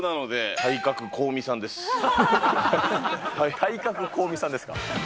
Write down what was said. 体格香美さんですか。